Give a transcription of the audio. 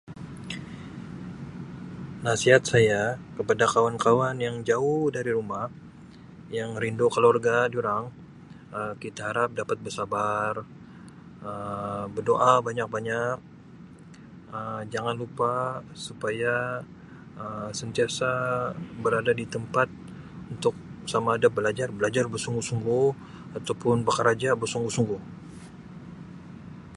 Nasihat saya kepada kawan-kawan yang jauh dari rumah yang rindu keluarga dorang Um kita harap dapat bersabar Um berdoa banyak-banyak Um jangan lupa supaya Um sentiasa berada di tempat untuk samada belajar belajar bersungguh-sungguh ataupun bakaraja bersungguh-sungguh.